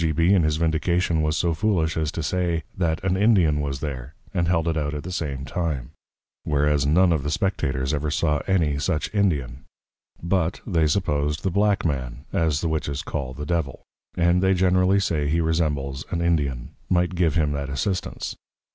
G. B. in his Vindication, was so foolish as to say, That an +Indian+ was there, and held it out at the same time: Whereas none of the Spectators ever saw any such Indian; but they supposed, the Black Man, (as the Witches call the Devil; and they generally say he resembles an Indian) might give him that Assistance.